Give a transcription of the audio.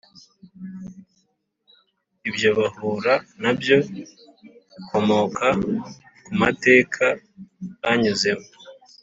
ibyo bahura nabyo bikomoka ku mateka banyuzemo